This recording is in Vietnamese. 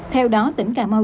theo đó tỉnh cà mau